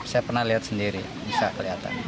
saya pernah lihat sendiri bisa kelihatan